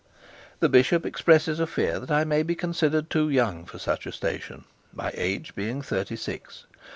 'The bishop expresses a fear that I may be considered too young for such a station, my age being thirty six.